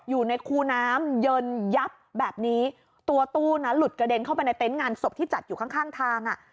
อยู่ในคูน้ำเยินยับแบบนี้ตัวตู้นั้นหลุดกระเด็นเข้าไปในเต็นต์งานศพที่จัดอยู่ข้างข้างทางอ่ะ